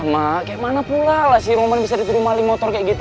alamak kayak mana pula lah si roman bisa diturunkan maling motor kayak gitu